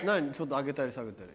上げたり下げたり。